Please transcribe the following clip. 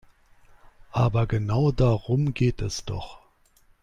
Aber genau darum geht es doch.